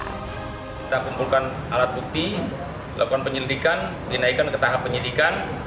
kita kumpulkan alat bukti lakukan penyelidikan dinaikkan ke tahap penyidikan